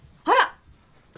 あら！